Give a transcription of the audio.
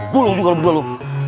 gulung juga lu berdua lu